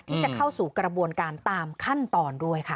ที่จะเข้าสู่กระบวนการตามขั้นตอนด้วยค่ะ